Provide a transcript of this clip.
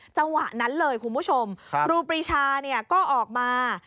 จังหวะนั้นเลยคุณผู้ชมครูปรีชาก็ออกมา